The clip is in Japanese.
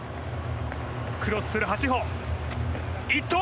クロスする８歩。